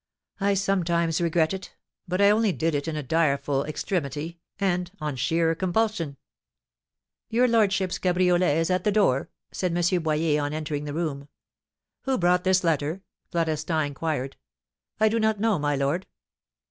I sometimes regret it, but I only did it in a direful extremity, and on sheer compulsion." "Your lordship's cabriolet is at the door," said M. Boyer, on entering the room. "Who brought this letter?" Florestan inquired. "I do not know, my lord."